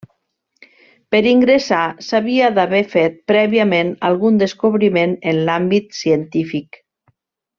Per ingressar s'havia d'haver fet prèviament algun descobriment en l'àmbit científic.